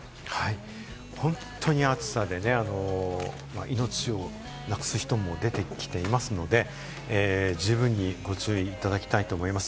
本当に暑さで命をなくす人も出てきていますので、十分にご注意いただきたいと思います。